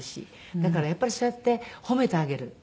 だからやっぱりそうやって褒めてあげる。